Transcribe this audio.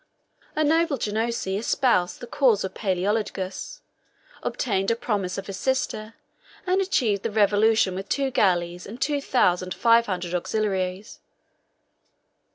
A noble Genoese espoused the cause of Palæologus, obtained a promise of his sister, and achieved the revolution with two galleys and two thousand five hundred auxiliaries.